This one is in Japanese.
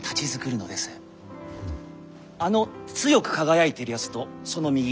あの強く輝いているやつとその右。